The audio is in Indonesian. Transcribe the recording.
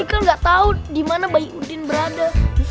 aku kan gak tau di mana bayi udin berada